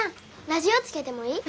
ラジオつけてもいい？